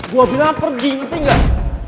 gue bilang pergi penting gak